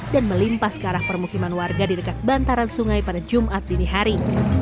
melimpas ke arah permukiman warga di dekat bantaran sungai pada jumat dini hari